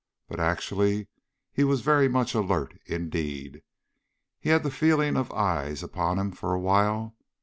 But actually he was very much alert indeed. He had the feeling of eyes upon him for a while.